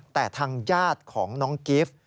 แต่ทางญาติของน้องกิฟต์